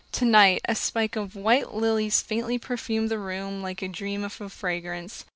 Tonight a spike of white lilies faintly perfumed the room like the dream of a fragrance.